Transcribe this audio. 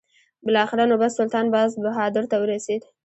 بالاخره نوبت سلطان باز بهادر ته ورسېد.